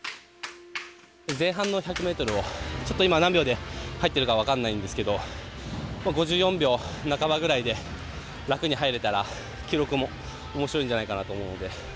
前半の１００ｍをちょっと今、何秒で入ってるか分かんないんですけど５４秒半ばぐらいで楽に入れたら記録もおもしろいんじゃないかなと思うので。